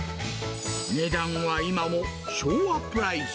値段は今も昭和プライス。